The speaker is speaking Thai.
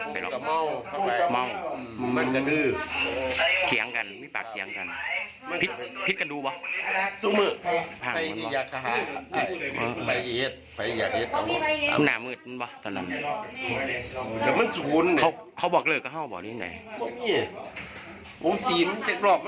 ไปอยู่ด้วยมึงผมรักมึงแต่ไม่ไกลเห็นตั้งเชษล่ะ